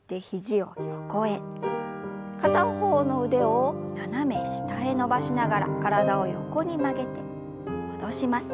片方の腕を斜め下へ伸ばしながら体を横に曲げて戻します。